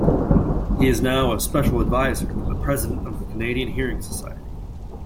He is now a special advisor to the president of the Canadian Hearing Society.